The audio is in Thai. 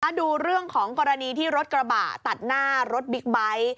ดูเรื่องของกรณีที่รถกระบะตัดหน้ารถบิ๊กไบท์